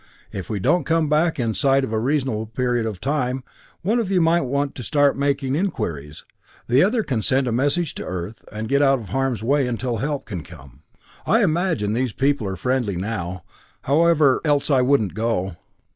If we don't come back inside of a reasonable period of time, one of you might start making inquiries; the other can send a message to Earth, and get out of harm's way till help can come. I imagine these people are friendly now, however else I wouldn't go."